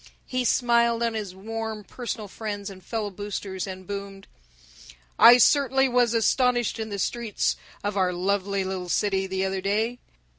He smiled on his warm personal friends and fellow boosters, and boomed: "I certainly was astonished in the streets of our lovely little city, the other day.